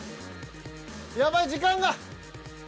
やばい時間が！